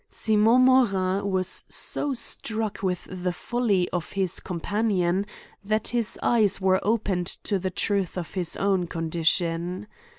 Simon Morin was so struck with the folly of his compa nion, that his eyes were opened to the truth of his own condition.